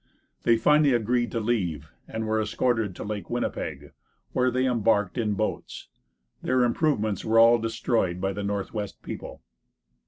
They finally agreed to leave, and were escorted to Lake Winnipeg, where they embarked in boats. Their improvements were all destroyed by the Northwest people.